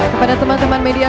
kepada teman teman media